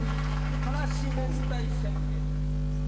辛子明太せんべいと聞いております。